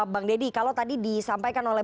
bang deddy kalau tadi disampaikan oleh